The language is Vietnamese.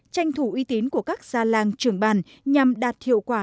tranh thủ uy tín của các gia làng trưởng bàn nhằm đạt hiệu quả